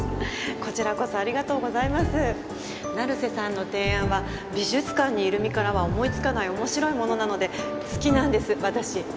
こちらこそありがとうございます成瀬さんの提案は美術館にいる身からは思いつかない面白いものなので好きなんです私